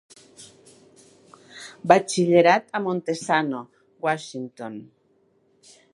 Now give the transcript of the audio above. Batxillerat a Montesano, Washington.